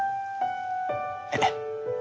えっ？